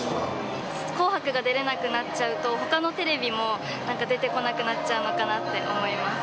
紅白が出れなくなっちゃうと、ほかのテレビも出てこなくなっちゃうのかなって思います。